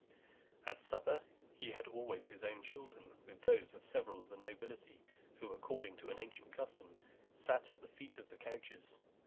At supper he had always his own children, with those of several of the nobility, who, according to an ancient custom, sat at the feet of the couches.